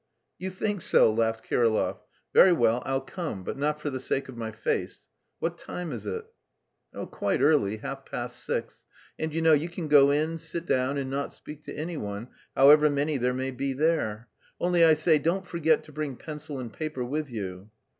"You think so?" laughed Kirillov. "Very well, I'll come, but not for the sake of my face. What time is it?" "Oh, quite early, half past six. And, you know, you can go in, sit down, and not speak to any one, however many there may be there. Only, I say, don't forget to bring pencil and paper with you."